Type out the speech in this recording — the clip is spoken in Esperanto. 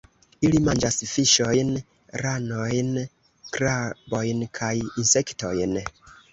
Ili manĝas fiŝojn, ranojn, krabojn kaj insektojn.